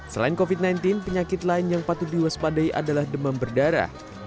selain covid sembilan belas penyakit lain yang patut diwaspadai adalah demam berdarah